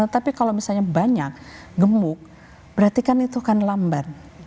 tetapi kalau misalnya banyak gemuk berarti kan itu kan lambat